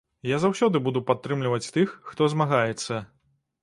Я заўсёды буду падтрымліваць тых, хто змагаецца.